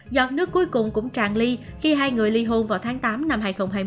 giọt nước cuối cùng cũng tràn ly khi hai người li hôn vào tháng tám năm hai nghìn hai mươi